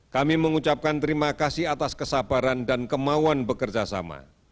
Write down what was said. kami mengucapkan terima kasih atas kesabaran dan kemauan bekerjasama